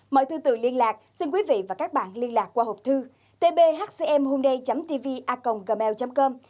mọi thư tự liên lạc xin quý vị và các bạn liên lạc qua hộp thư tbhcmhomeday tvaconggmail com